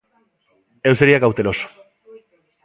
Eu sería cauteloso.